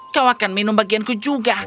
kau akan minum bagianku juga